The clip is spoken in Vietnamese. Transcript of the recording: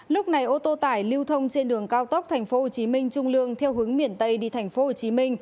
lúc này ô tô tải lưu thông trên đường cao tốc tp hcm trung lương theo hướng miền tây đi tp hcm